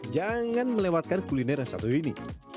jangan melewatkan kuliner yang satu ini